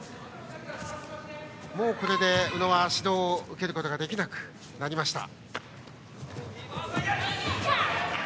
もうこれで宇野は指導を受けることができなくなりました。